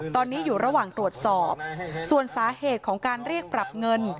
ตอนนี้อยู่ระหว่างตรวจสอบส่วนสาเหตุของการเรียกปรับเงิน